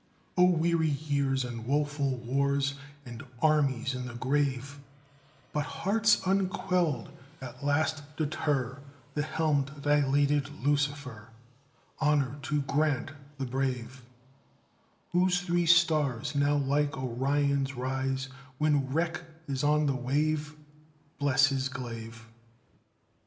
O weary years and woeful wars, And armies in the grave; But hearts unquelled at last deter The helmed dilated Lucifer Honor to Grant the brave, Whose three stars now like Orion's rise When wreck is on the wave Bless his glaive.